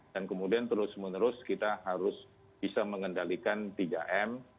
dan kemudian terus menerus kita harus bisa mengendalikan tiga m